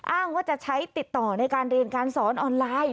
อ้างว่าจะใช้ติดต่อในการเรียนการสอนออนไลน์